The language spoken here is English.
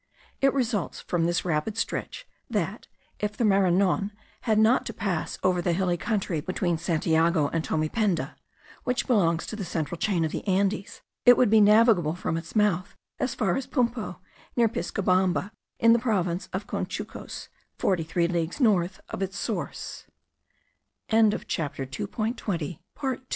It results from this rapid sketch, that, if the Maranon had not to pass over the hilly country between Santiago and Tomependa (which belongs to the central chain of the Andes) it would be navigable from its mouth as far as Pumpo, near Piscobamba in the province of Conchucos, forty three leagues north of its source. We